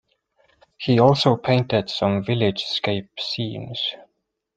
He also painted some village-scape scenes.